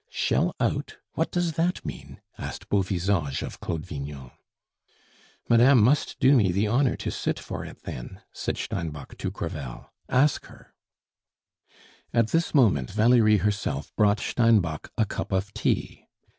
"Shell out! What does that mean?" asked Beauvisage of Claude Vignon. "Madame must do me the honor to sit for it then," said Steinbock to Crevel. "Ask her " At this moment Valerie herself brought Steinbock a cup of tea.